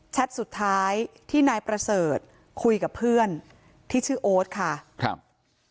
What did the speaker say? สุดท้ายที่นายประเสริฐคุยกับเพื่อนที่ชื่อโอ๊ตค่ะครับ